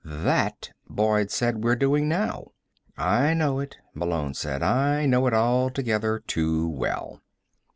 "That," Boyd said, "we're doing now." "I know it," Malone said. "I know it altogether too well."